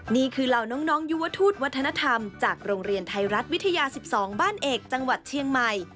เหล่าน้องยุวทูตวัฒนธรรมจากโรงเรียนไทยรัฐวิทยา๑๒บ้านเอกจังหวัดเชียงใหม่